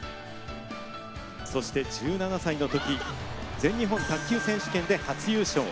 そして１７歳のとき全日本卓球選手権で初優勝。